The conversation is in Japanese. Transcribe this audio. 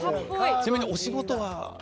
ちなみにお仕事は。